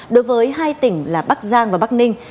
đối với hai tỉnh là bắc giang và bắc ninh